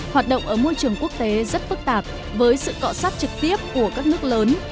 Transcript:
hoạt động ở môi trường quốc tế rất phức tạp với sự cọ sát trực tiếp của các nước lớn